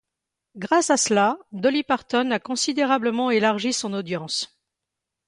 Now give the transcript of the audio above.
Grâce à cela, Dolly Parton a considérablement élargi son audience.